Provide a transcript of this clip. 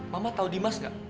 mama tau dimas gak